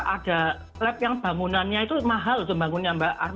ada lab yang bangunannya itu mahal sembangunnya mbak